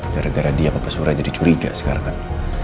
gara gara dia apa pesurah jadi curiga sekarang kan